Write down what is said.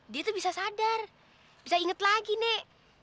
dia tuh bisa sadar bisa inget lagi nek